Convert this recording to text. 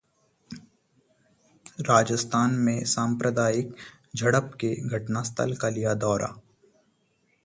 राजनाथ ने सांप्रदायिक झड़प के घटनास्थल का किया दौरा